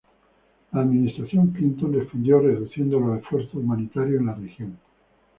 La administración Clinton respondió reduciendo los esfuerzos humanitarios en la región.